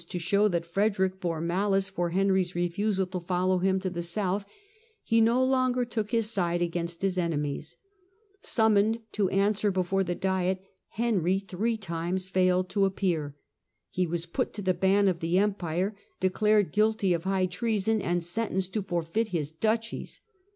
to show that Frederick bore malice for Henry's refusal to follow him to the south, he no longer took his Fall of side against his enemies. Summoned to answer before Son^^*^^ the Diet, Henry three times failed to appear. He was put to the ban of the Empire, declared guilty of high treason, and sentenced to forfeit his duchies.